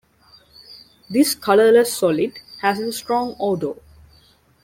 This colorless solid has a strong odor.